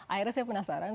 akhirnya saya penasaran